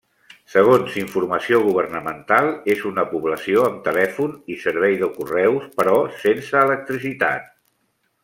Segons informació governamental, és una població amb telèfon i servei de correus, però sense electricitat.